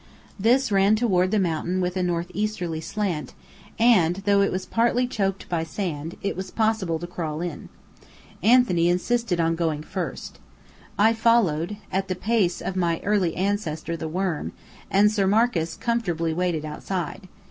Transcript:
This ran toward the mountain with a northeasterly slant; and though it was partly choked by sand, it was possible to crawl in. Anthony insisted on going first. I followed, at the pace of my early ancestor the worm, and Sir Marcus comfortably waited outside.